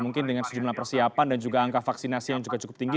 mungkin dengan sejumlah persiapan dan juga angka vaksinasi yang juga cukup tinggi